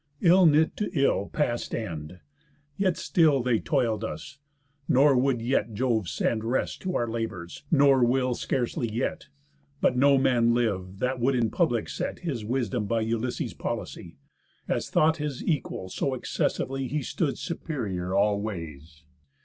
Ill knit to ill past end. Yet still they toil'd us; nor would yet Jove send Rest to our labours, nor will scarcely yet. But no man liv'd, that would in public set His wisdom by Ulysses' policy, As thought his equal; so excessively He stood superior all ways.